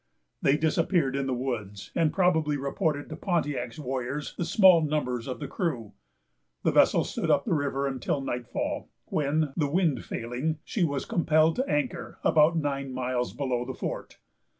They disappeared in the woods, and probably reported to Pontiac's warriors the small numbers of the crew. The vessel stood up the river until nightfall, when, the wind failing, she was compelled to anchor about nine miles below the fort.